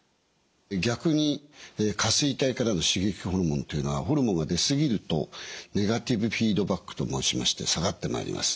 逆に下垂体からの刺激ホルモンというのはホルモンが出過ぎるとネガティブフィードバックと申しまして下がってまいります。